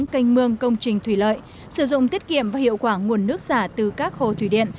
canh mương công trình thủy lợi sử dụng tiết kiệm và hiệu quả nguồn nước xả từ các hồ thủy điện